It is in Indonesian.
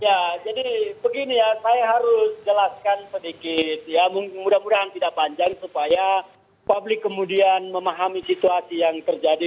ya jadi begini ya saya harus jelaskan sedikit ya mudah mudahan tidak panjang supaya publik kemudian memahami situasi yang terjadi